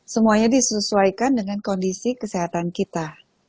semuanya disesuaikan dengan kondisi kesehatan kita